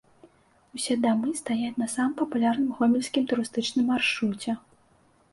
Усе дамы стаяць на самым папулярным гомельскім турыстычным маршруце.